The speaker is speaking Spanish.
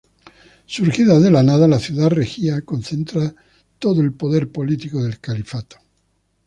Surgida de la nada, la ciudad regia concentra todo el poder político del califato.